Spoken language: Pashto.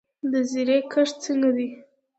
د زیرې کښت څنګه دی؟